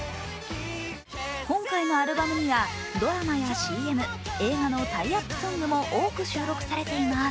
今回のアルバムにはドラマやＣＭ、映画のタイアップソングも多く収録されています。